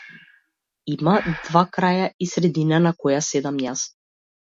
Има два краја и средина на која седам јас.